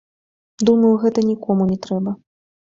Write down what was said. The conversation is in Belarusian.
Думаю, гэта нікому не трэба.